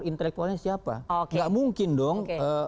intelektualnya siapa nggak mungkin dong